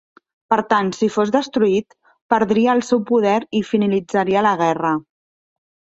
Per tant, si fos destruït, perdria el seu poder i finalitzaria la guerra.